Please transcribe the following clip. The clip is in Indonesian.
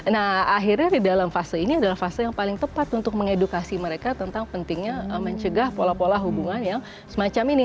nah akhirnya di dalam fase ini adalah fase yang paling tepat untuk mengedukasi mereka tentang pentingnya mencegah pola pola hubungan yang semacam ini